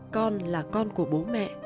con là con của bố mẹ